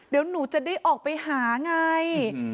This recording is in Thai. เดี๋ยวหนูจะได้ออกไปหาไง